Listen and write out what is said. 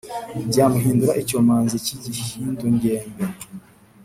byamuhindura icyomanzi cy’igihindugembe.